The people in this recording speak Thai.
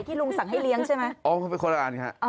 ลุงสั่งให้เลี้ยงใช่ไหมอ๋อเขาเป็นคนละอันค่ะ